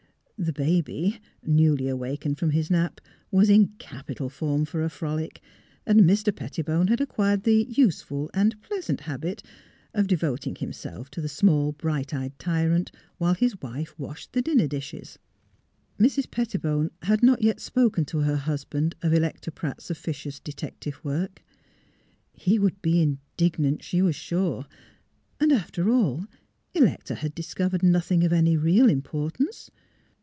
The baby, newly awakened from his nap, was in capital form for a frolic, and Mr. Pettibone had acquired the useful and pleasant habit of devot ing himself to the small, bright eyed tyrant, while his wife washed the dinner dishes. Mrs. Pettibone had not yet spoken to her hus band of Electa Pratt's officious detective work. He would be indignant, she was sure; and, after all. Electa had discovered nothing of any real im portance.